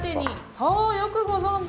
そう、よくご存じ。